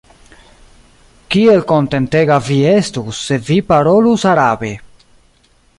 Kiel kontentega vi estus, se vi parolus arabe.